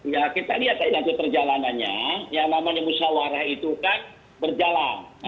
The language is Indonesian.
ya kita lihat saja nanti perjalanannya yang namanya musyawarah itu kan berjalan